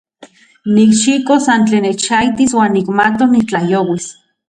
Nikxikos san tlen nechaijtis uan nimatok nitlajyouis.